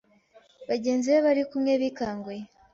bagenzi be bari kumwe bikanguye